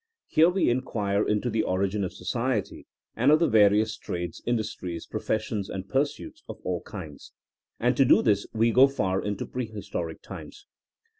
Here we inquire into the origin of society and of the various trades, in dustries, professions and pursuits of all kinds, and to do this we go far into prehistoric times.